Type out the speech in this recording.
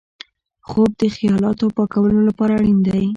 خوب د خیالاتو پاکولو لپاره اړین دی